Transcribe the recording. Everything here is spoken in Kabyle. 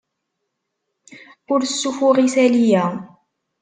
Ur ssuffuɣ isali-a.